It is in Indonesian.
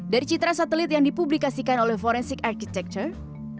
dari citra satelit yang dipublikasikan oleh forensik architecture